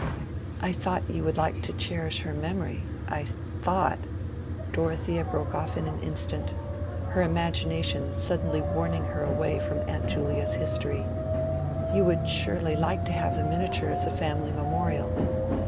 "I thought you would like to cherish her memory—I thought—" Dorothea broke off an instant, her imagination suddenly warning her away from Aunt Julia's history—"you would surely like to have the miniature as a family memorial."